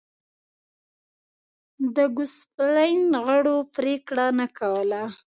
د ګوسپلین غړو پرېکړه نه کوله.